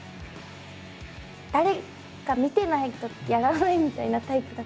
誰か見てないとやらないみたいなタイプだったりするんですよ。